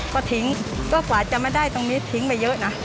ก็ทิ้งก็กว่าจะไม่ได้ตรงนี้ทิ้งไปเยอะนะ